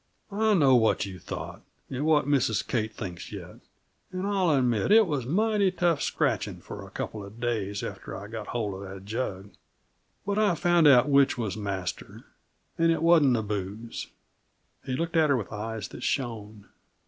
"I know what you thought, and what Mrs. Kate thinks yet; and I'll admit it was mighty tough scratching for a couple of days after I got hold of that jug. But I found out which was master and it wasn't the booze!" He looked at her with eyes that shone.